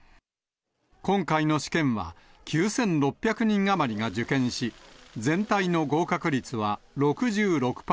今回の試験は、９６００人余りが受験し、全体の合格率は６６％。